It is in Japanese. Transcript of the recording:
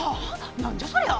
何じゃそりゃ！